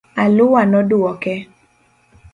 Alua nodwoke.